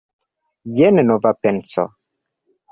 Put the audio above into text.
Jen nova penso!